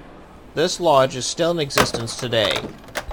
This lodge is still in existence today.